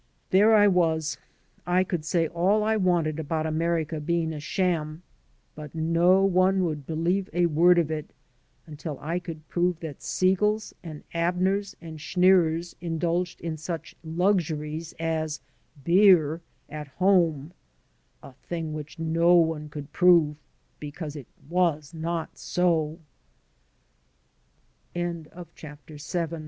There I was! I could say all I wanted to about America being a sham, but no one would believe a word of it until I could prove that Segals and Abners and Schneers indulged in such luxuries as beer at home — a thing which no one oould prove because it was not so* vm "how